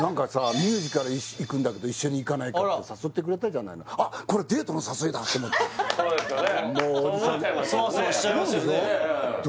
ミュージカル行くんだけど一緒に行かないかって誘ってくれたじゃないのあっこれもうおじさんそう思っちゃいますもんね